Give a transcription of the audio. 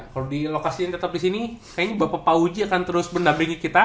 kalau di lokasi yang tetap disini kayaknya bapak fauji akan terus benda bringi kita